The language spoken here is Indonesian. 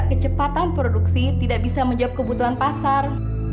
kecepatan produksi tidak bisa menjawab kebutuhan pasar